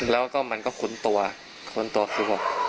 แล้วก็มันก็คุ้นตัวคุ้นตัวคือบอก